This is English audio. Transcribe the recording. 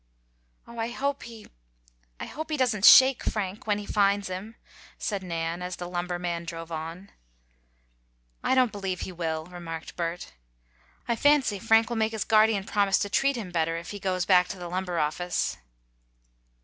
"Oh, I hope he I hope he doesn't shake Frank, when he finds him," said Nan, as the lumber man drove on. "I don't believe he will," remarked Bert. "I fancy Frank will make his guardian promise to treat him better if he goes back to the lumber office."